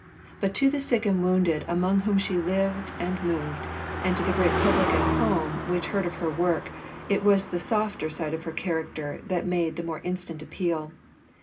But to the sick and wounded among whom she lived and moved, and to the great public at home which heard of her work, it was the softer side of her character that made the more instant appeal.